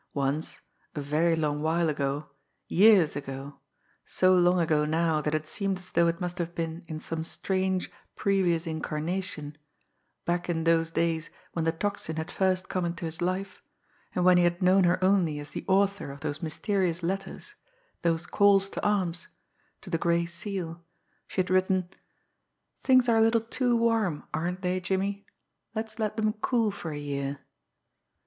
Once, a very long while ago, years ago, so long ago now that it seemed as though it must have been in some strange previous incarnation, back in those days when the Tocsin had first come into his life, and when he had known her only as the author of those mysterious letters, those "calls to arms" to the Gray Seal, she had written: "Things are a little too warm, aren't they, Jimmie? Let's let them cool for a year."